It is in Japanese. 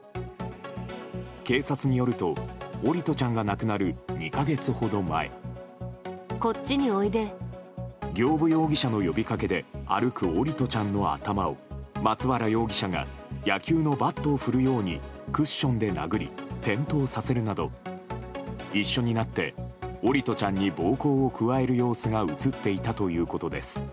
警察によると、桜利斗ちゃんが亡くなる２か月ほど前行歩容疑者の呼びかけで歩く桜利斗ちゃんの頭を松原容疑者が野球のバットを振るようにクッションで殴り転倒させるなど一緒になって桜利斗ちゃんに暴行を加える様子が映っていたということです。